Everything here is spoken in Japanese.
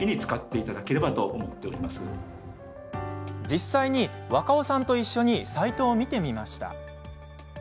実際に若尾さんと一緒にサイトを見てみました。